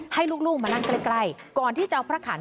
ให้ลูกมานั่งใกล้ก่อนที่จะเอาพระขัน